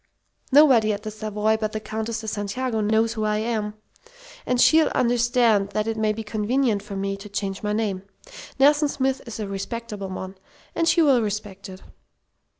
Nobody at the Savoy but the Countess de Santiago knows who I am, and she'll understand that it may be convenient for me to change my name. Nelson Smith is a respectable one, and she'll respect it!